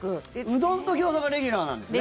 うどんとギョーザがレギュラーなんですね。